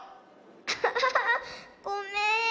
アハハごめん。